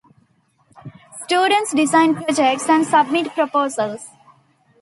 Students design projects and submit proposals.